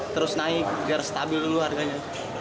terus naik biar stabil dulu harganya